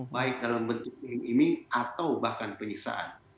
baik dalam bentuk mirim imim atau bahkan penyiksaan